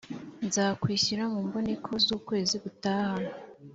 nzakwishyura mu mboneko z’ ukwezi gutaha